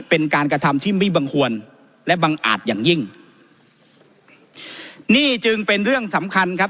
เป็นการกระทำที่ไม่บังควรและบังอาจอย่างยิ่งนี่จึงเป็นเรื่องสำคัญครับ